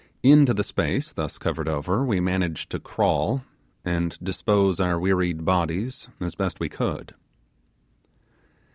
Into the space thus covered over we managed to crawl, and dispose our wearied bodies as best we could.